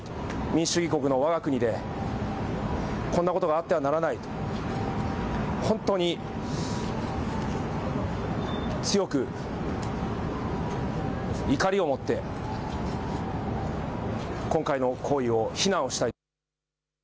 民主主義国のわが国で、こんなことがあってはならないと本当に強く怒りを持って今回の行為を非難をしたい。